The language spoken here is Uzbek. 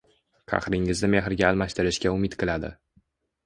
qahringizni mehrga almashtirishga umid qiladi.